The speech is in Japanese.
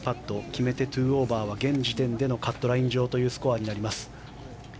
決めて２オーバーは現時点でのカットライン上というスコアになります。